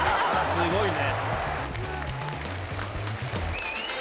すごいね。